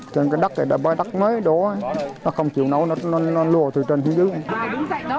trên cái đất này là bói đất mới đó nó không chịu nấu nó lùa từ trên phía dưới